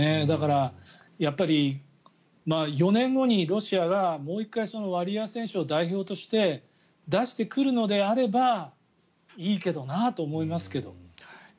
だから、やっぱり４年後にロシアがもう１回、ワリエワ選手を代表として出してくるのであればいいけどなと思いますけど。